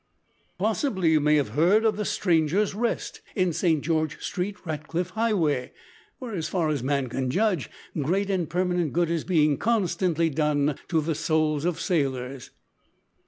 Possibly you may have heard of the `_Strangers' Rest_,' in Saint George Street, Ratcliff Highway, where, as far as man can judge, great and permanent good is being constantly done to the souls of sailors.